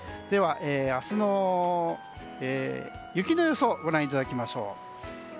では、明日の雪の予想をご覧いただきましょう。